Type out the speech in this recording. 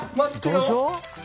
どじょう？